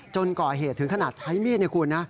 จนก่อเหตุถึงขนาดใช้มีดในคุณนะ